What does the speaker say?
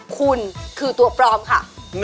คุณคือตัวปลอมค่ะ